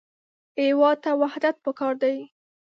هېواد ته وحدت پکار دی